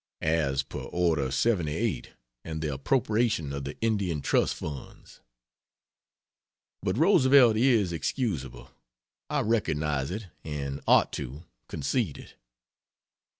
As per Order 78 and the appropriation of the Indian trust funds. But Roosevelt is excusable I recognize it and (ought to) concede it.